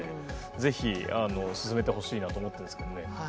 ぜひ進めてほしいなと思ってるんですけどね。